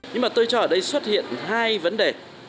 nhưng mà tôi cho ở đây xuất hiện hai vấn đề